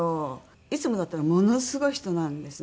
いつもだったらものすごい人なんですね。